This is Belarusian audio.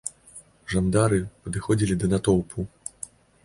Жандары падыходзілі да натоўпу.